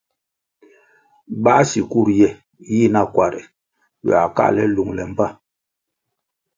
Báh sikur ye yih nakuare ywiah káhle lungle mbpa.